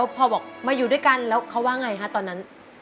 พอบอกมาอยู่ด้วยกันแล้วเขาว่าไงฮะตอนนั้น